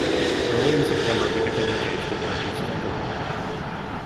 Early in September he became engaged to Dorothy Scantlebury.